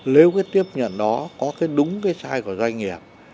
nếu cái tiếp nhận đó có cái đúng cái sai của doanh nghiệp